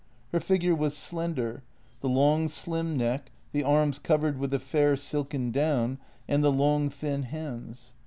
Her figure was slender: the long, slim neck, the arms covered with a fair, silken down, and the long, thin hands.